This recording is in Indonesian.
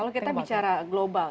kalau kita bicara global